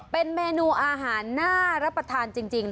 เป็นเมนูอาหารน่ารับประทานจริง